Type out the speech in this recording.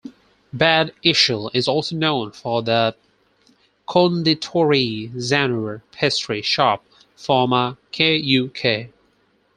Bad Ischl is also known for the "Konditorei Zauner" pastry shop, former k.u.k.